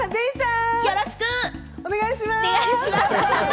お願いします。